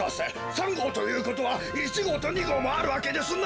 ３ごうということは１ごうと２ごうもあるわけですな！？